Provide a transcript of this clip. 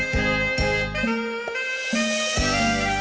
ยังมีชีวิตเดียว